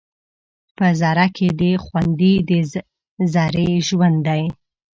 په ذره کې دې خوندي د ذرې ژوند دی